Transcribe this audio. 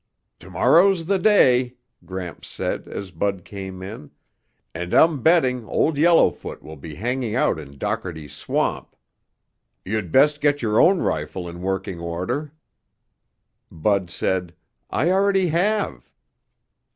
"Tomorrow's the day," Gramps said as Bud came in, "and I'm betting Old Yellowfoot will be hanging out in Dockerty's Swamp. You'd best get your own rifle in working order." Bud said, "I already have."